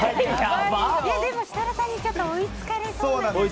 でも、設楽さんに追いつかれそうな感じがね。